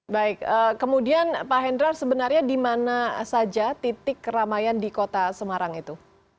baik kemudian pak hendra sebenarnya di mana saja titik keramaian di kota semarang itu